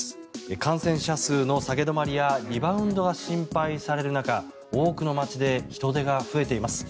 感染者数の下げ止まりやリバウンドが心配される中多くの街で人出が増えています。